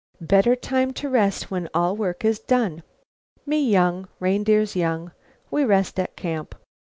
"Better time to rest when all work is done. Me young; reindeers young we rest at camp."